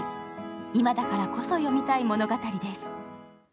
今だからこそ読みたい物語です。